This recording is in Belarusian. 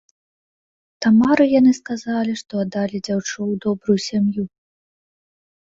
Тамары яны сказалі, што аддалі дзяўчо ў добрую сям'ю.